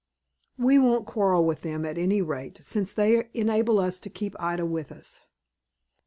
"We won't quarrel with them, at any rate, since they enable us to keep Ida with us."